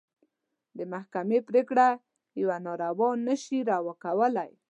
د محکمې پرېکړه يوه ناروا نه شي روا کولی.